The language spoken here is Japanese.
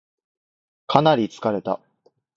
かなり疲れた